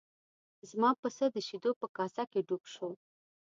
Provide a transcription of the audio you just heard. زما پسه د شیدو په کاسه کې ډوب شو.